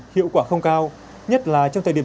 hiệu quả không cao nhất là trong thời điểm